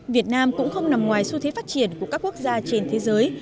việt nam cũng không nằm ngoài xu thế phát triển của các quốc gia trên thế giới